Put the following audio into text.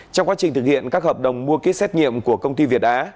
trong quá trình thực hiện các hợp đồng mua kýt xét nghiệm của công ty việt á